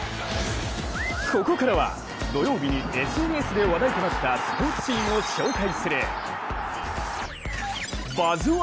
ここからは、土曜日にＳＮＳで話題となったスポーツシーンを紹介する「バズ☆１」